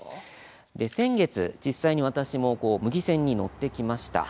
先月、実際に私も牟岐線に乗ってきました。